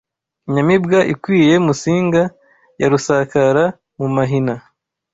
Inyamibwa ikwiye Musinga, ya rusakara mu mahina